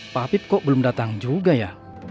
pak habib kok belum datang juga ya